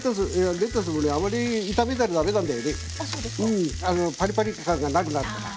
うんパリパリ感がなくなるから。